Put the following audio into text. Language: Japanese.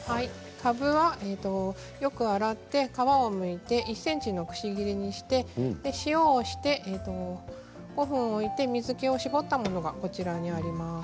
かぶはよく洗って、皮をむいて１ｃｍのくし切りにして塩をして、５分置いて水けを絞ったものがこちらにあります。